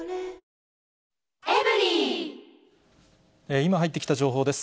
今入ってきた情報です。